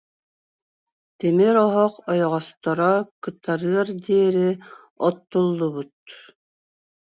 Тимир оһох ойоҕосторо кытарыар диэри оттул- лубут